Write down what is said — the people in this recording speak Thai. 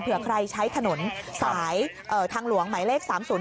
เผื่อใครใช้ถนนสายทางหลวงหมายเลข๓๐๔